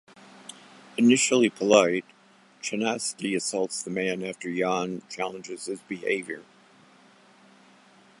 Initially polite, Chinaski assaults the man after Jan challenges his behavior.